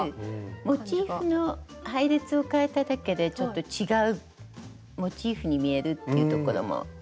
モチーフの配列をかえただけでちょっと違うモチーフに見えるっていうところも魅力ですね。